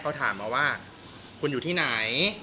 เขาถามมาว่าคุณอยู่ที่ไหน